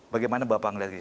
bagaimana bapak melihat ini